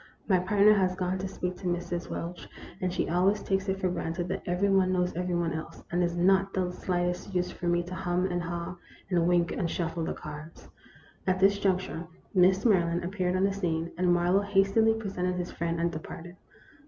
My partner has gone to speak to Mrs. Welsh, and she always takes it for granted that every one knows every one else; and it is not the slightest use for me to hum and haw, and wink and shuffle the cards." THE ROMANCE OF A SPOON. 183 At this juncture, Miss Maryland appeared on the scene, and Marlowe hastily presented his friend and departed.